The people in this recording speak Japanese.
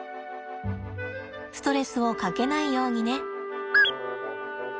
ストレスをかけないようにね。